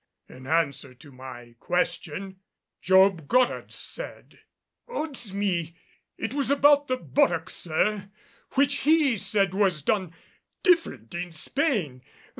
In answer to my question Job Goddard said, "Odds me! It was about the buttock, sir, which he said was done different in Spain.